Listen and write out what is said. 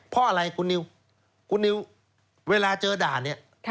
เพราะอะไรคุณนิวคุณนิวเวลาเจอด่านเนี่ย